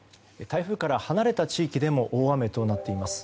台風から離れた地域でも大雨となっています。